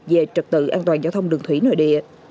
về trật tự an toàn giao thông đường thủy nội địa